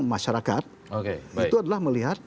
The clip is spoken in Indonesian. masyarakat itu adalah melihat